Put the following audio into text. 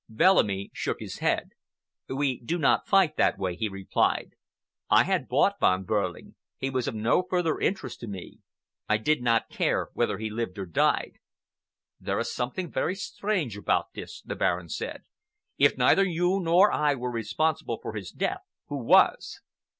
Bellamy shook his head. "We do not fight that way," he replied. "I had bought Von Behrling. He was of no further interest to me. I did not care whether he lived or died." "There is something very strange about this," the Baron said. "If neither you nor I were responsible for his death, who was?"